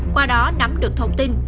qua đó nắm được thông tin